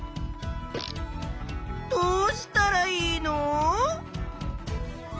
どうしたらいいの？